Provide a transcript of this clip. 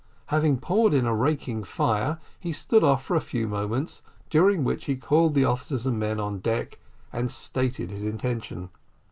Having poured in a raking fire, he stood off for a few moments, during which he called the officers and men on deck, and stated his intention.